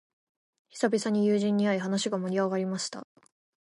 久々に友人に会い、話が盛り上がりました。